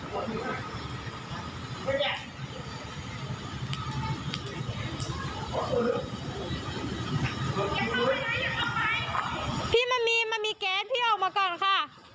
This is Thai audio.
มันมีมันมีแก๊สพี่ออกมาก่อนค่ะ